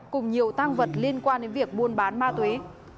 cùng nhiều tăng vật liên quan đến việc buôn bán ma túy